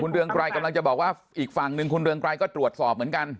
เรืองไกรกำลังจะบอกว่าอีกฝั่งหนึ่งคุณเรืองไกรก็ตรวจสอบเหมือนกัน